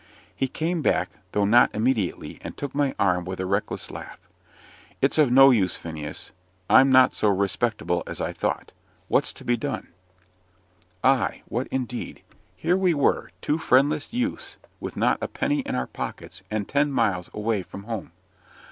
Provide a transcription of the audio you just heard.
He came back, though not immediately, and took my arm with a reckless laugh. "It's of no use, Phineas I'm not so respectable as I thought. What's to be done?" Ay! what indeed! Here we were, two friendless youths, with not a penny in our pockets, and ten miles away from home.